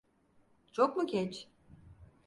Çok mu geç?